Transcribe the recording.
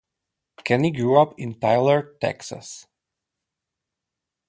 Kenny grew up in Tyler, Texas.